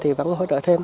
thì vẫn hỗ trợ thêm